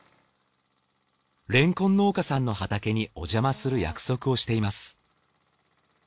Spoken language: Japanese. れんこん農家さんの畑におじゃまする約束をしています